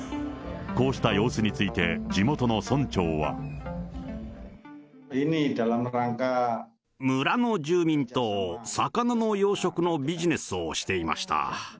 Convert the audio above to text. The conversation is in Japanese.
こうした様子について、村の住民と魚の養殖のビジネスをしていました。